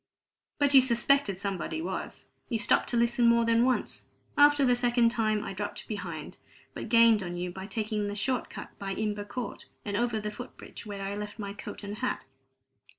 But you suspected somebody was; you stopped to listen more than once; after the second time I dropped behind, but gained on you by taking the short cut by Imber Court and over the foot bridge where I left my coat and hat.